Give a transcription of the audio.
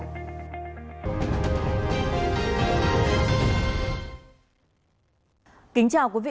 kính chào quý vị